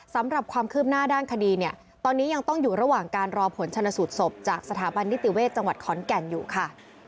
สำหรับความคืบหน้าด้านคดีเนี่ยตอนนี้ยังต้องอยู่ระหว่างการรอผลชนสูตรศพจากสถาบันนิติเวศจังหวัดขอนแก่นอยู่ค่ะ